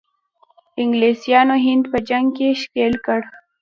انګلیسانو هند په جنګ کې ښکیل کړ.